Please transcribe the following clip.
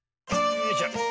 よいしょ。